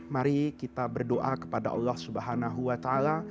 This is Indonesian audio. mari kita berdoa kepada allah subhanahu wa ta'ala